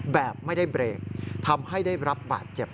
แบบไม่ได้เบรกทำให้ได้รับบาดเจ็บ